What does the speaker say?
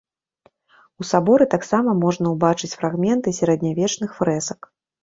У саборы таксама можна ўбачыць фрагменты сярэднявечных фрэсак.